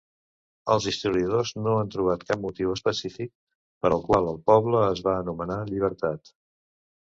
Els historiadors no han trobat cap motiu específic per el qual el poble es va anomenar Llibertat.